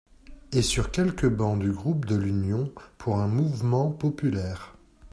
Et sur quelques bancs du groupe de l’Union pour un mouvement populaire.